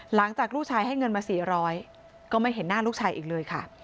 หลังจากลูกชายให้เงินมา๔๐๐ก็ไม่เห็นหน้าลูกชายอีกเลยค่ะ